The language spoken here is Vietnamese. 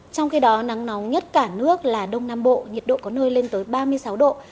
trong khi đó nắng nóng nhất cả nước là đông nam bộ nhiệt độ có nơi lên tới ba mươi sáu độ